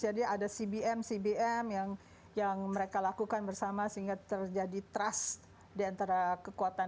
jadi ada cbm cbm yang mereka lakukan bersama sehingga terjadi trust diantara kekuatan